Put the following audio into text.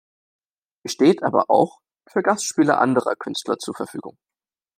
Sie steht aber auch für Gastspiele anderer Künstler zur Verfügung.